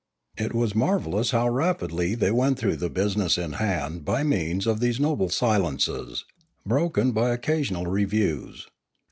It was marvellous how rapidly they went though the business in hand by Polity 509 means of these noble silences, broken by occasional re views.